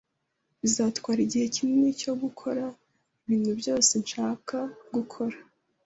Bizantwara igihe kinini cyo gukora ibintu byose nshaka gukora